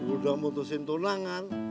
udah mutusin tunangan